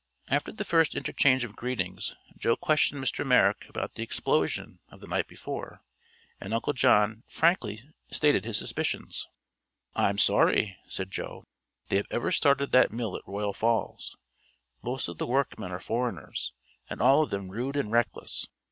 After the first interchange of greetings Joe questioned Mr. Merrick about the explosion of the night before, and Uncle John frankly stated his suspicions. "I'm sorry," said Joe, "they ever started that mill at Royal Falls. Most of the workmen are foreigners, and all of them rude and reckless.